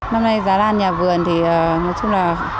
năm nay giá lan nhà vườn thì một chút là